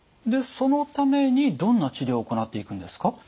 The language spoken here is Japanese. でそのためにどんな治療を行っていくんですか？